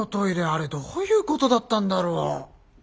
あれどういうことだったんだろう？